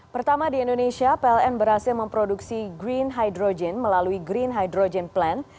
pertama di indonesia pln berhasil memproduksi green hydrogen melalui green hydrogen plan